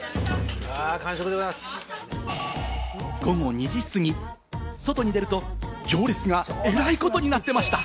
午後２時過ぎ、外に出ると行列がえらいことになってました。